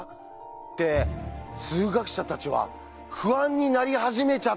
って数学者たちは不安になり始めちゃったわけです。